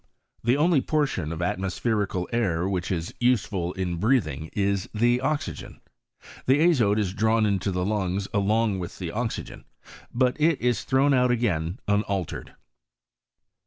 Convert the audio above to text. The only portion of atmospherical air which is useful in breathing is the oxygen. The azote is drawn into the lungs along with the oxygen, but it is thrown out again unaltered.